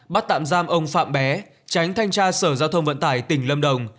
bắt tạm giam ông phạm bé tránh thanh tra sở giao thông vận tải tỉnh lâm đồng